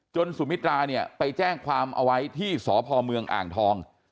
สุมิตราเนี่ยไปแจ้งความเอาไว้ที่สพเมืองอ่างทอง